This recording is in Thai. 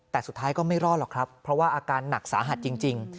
แต่สุดท้ายก็ไม่รอดหรอกครับเพราะว่าอาการหนักสาหัสจริง